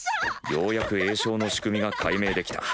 ようやく詠唱の仕組みが解明できた。